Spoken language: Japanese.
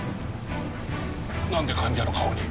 なんで患者の顔に？